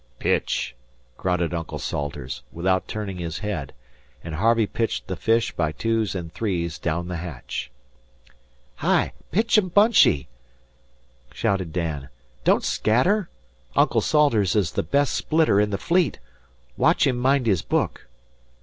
"Pitch!" grunted Uncle Salters, without turning his head, and Harvey pitched the fish by twos and threes down the hatch. "Hi! Pitch 'em bunchy," shouted Dan. "Don't scatter! Uncle Salters is the best splitter in the fleet. Watch him mind his book!"